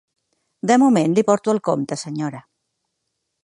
De moment li porto el compte, senyora.